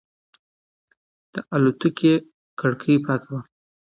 د الوتکې کړکۍ پاکه وه.